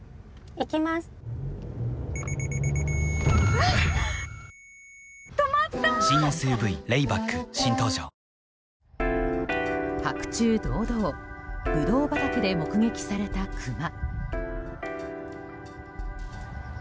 わぁ白昼堂々ブドウ畑で目撃されたクマ。